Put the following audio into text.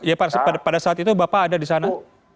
ya pada saat itu bapak ada di sana